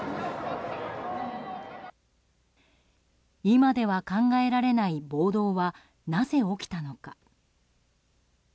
今では考えられない暴動はなぜ起きたのか。